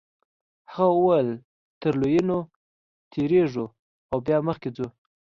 هغه وویل تر لویینو تیریږو او بیا مخکې ځو.